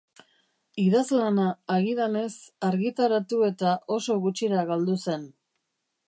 Idazlana, agidanez, argitaratu eta oso gutxira galdu zen.